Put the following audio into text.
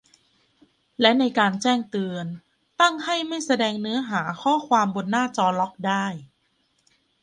และในการแจ้งเตือน ตั้งให้ไม่แสดงเนื้อหาข้อความบนหน้าจอล็อกได้